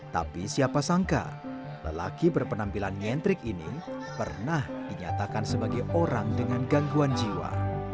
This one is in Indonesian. tapi siapa sangka lelaki berpenampilan nyentrik ini pernah dinyatakan sebagai orang dengan gangguan jiwa